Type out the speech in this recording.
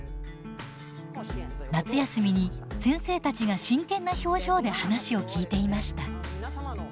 夏休みに先生たちが真剣な表情で話を聞いていました。